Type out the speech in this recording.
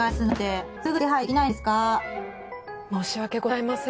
申し訳ございません。